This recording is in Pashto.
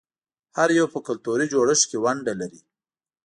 هر یو په کلتوري جوړښت کې ونډه لري.